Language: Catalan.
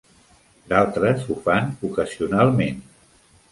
D'altres ho fan ocasionalment.